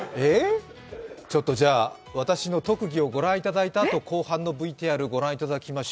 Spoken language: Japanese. じゃあ私の特技をご覧いただいたあと、後半ＶＴＲをご覧いただきます。